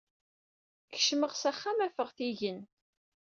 Kecmeɣ s axxam, afeɣ-t igen.